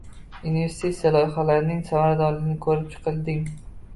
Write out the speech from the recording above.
Investitsiya loyihalarining samaradorligi ko‘rib chiqilding